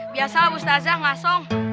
biasalah bustazah ngasong